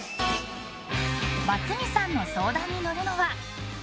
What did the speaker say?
バツ２さんの相談に乗るのは。